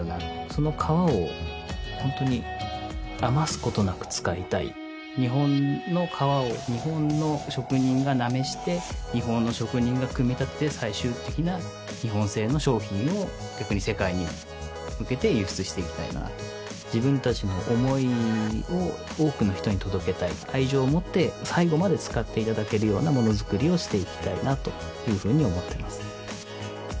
その皮をホントに余すことなく使いたい日本の革を日本の職人がなめして日本の職人が組み立てて最終的な日本製の商品を逆に世界に向けて輸出していきたいなあと自分達の思いを多くの人に届けたい愛情を持って最後まで使っていただけるようなものづくりをしていきたいなというふうに思ってます